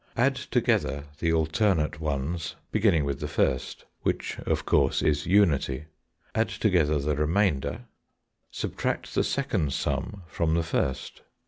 Add together the alternate ones beginning with the first, which, of course, is unity. Add together the remainder. Subtract the second sum from the first.